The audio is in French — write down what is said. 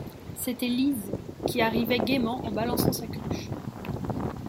C’était Lise, qui arrivait gaiement en balançant sa cruche.